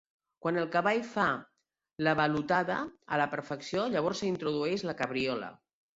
Quan el cavall fa la balotada a la perfecció, llavors s'introdueix la cabriola.